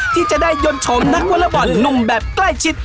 ที่จะได้ยนชมนักวอเลอร์บอลหนุ่มแบบใกล้ชิด